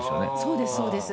そうですそうです。